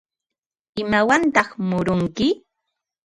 ¿Imawantaq murunki?